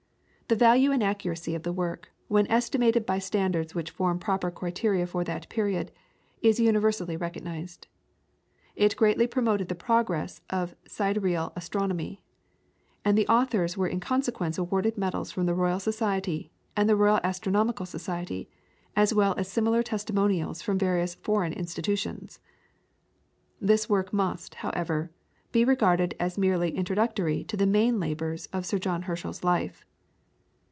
The value and accuracy of the work, when estimated by standards which form proper criteria for that period, is universally recognised. It greatly promoted the progress of sidereal astronomy, and the authors were in consequence awarded medals from the Royal Society, and the Royal Astronomical Society, as well as similar testimonials from various foreign institutions. This work must, however, be regarded as merely introductory to the main labours of John Herschel's life.